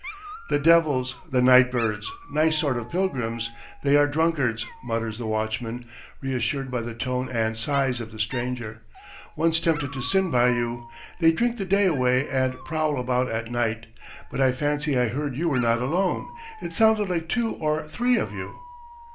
"The devils, the nightbirds. ... Nice sort of pilgrims! They are drunkards ..." mutters the watchman, reassured by the tone and sighs of the stranger. "One's tempted to sin by you. They drink the day away and prowl about at night. But I fancy I heard you were not alone; it sounded like two or three of you."